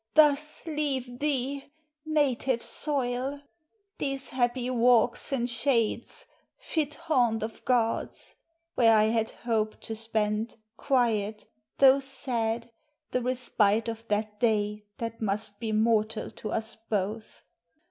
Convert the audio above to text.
thus leave Thee, native soil! these happy walks and shades, Fit haunt of gods; where I had hope to spend, Quiet, though sad, the respite of that day That must be mortal to us both?